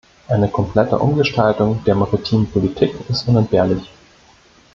Eine komplette Umgestaltung der maritimen Politik ist unentbehrlich.